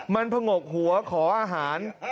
มันผงกหัวขออาหาร